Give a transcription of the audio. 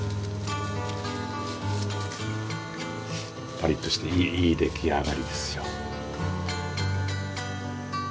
パリッとしていい出来上がりですよ。